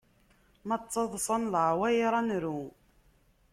Ma ttaḍsan leɛwayeṛ, ad nru.